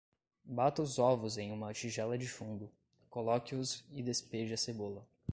Bata os ovos em uma tigela de fundo, coloque-os e despeje a cebola.